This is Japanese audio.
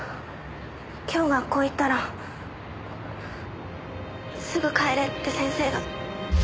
今日学校行ったらすぐ帰れって先生が。